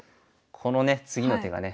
このね次の手がね。